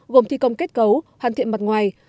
gồm thi công kết cấu hoàn thiện mặt ngoài